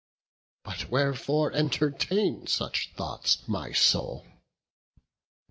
But wherefore entertain such thoughts, my soul?